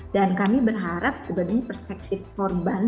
dan kami berharap sebenarnya perspektif korban